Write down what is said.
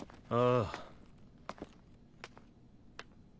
ああ。